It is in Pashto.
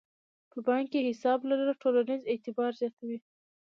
په بانک کې حساب لرل ټولنیز اعتبار زیاتوي.